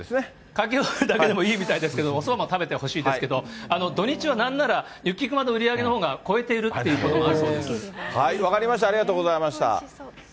かき氷だけでもいいですけど、おそばも食べてほしいですけれども、土日はなんならかき氷の売り上げのほうが超えているということも分かりました、ありがとうございました。